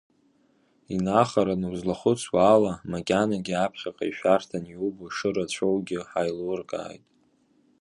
Инахараны узлахәыцуа ала, макьанагьы аԥхьаҟа ишәарҭаны иубо шырацәоугьы ҳаилуркааит.